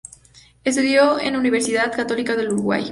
Estudió en Universidad Católica del Uruguay.